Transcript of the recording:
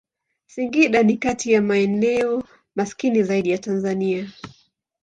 Singida ni kati ya maeneo maskini zaidi ya Tanzania.